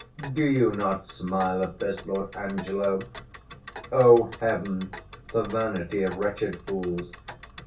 _ Do you not smile at this, Lord Angelo? O heaven, the vanity of wretched fools!